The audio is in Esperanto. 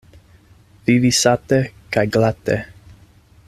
Vivi sate kaj glate.